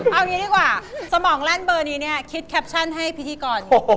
เอางี้ดีกว่าสมองลั่นเบอร์นี้เนี่ยคิดแคปชั่นให้พิธีกร